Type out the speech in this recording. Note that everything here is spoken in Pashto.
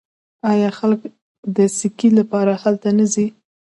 آیا خلک د سکي لپاره هلته نه ځي؟